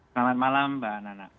selamat malam mbak nana